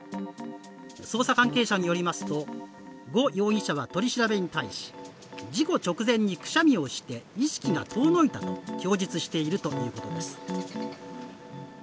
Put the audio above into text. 捜査関係者によりますと呉容疑者は取り調べに対し事故直前にくしゃみをして意識が遠のいたと供述しているということです。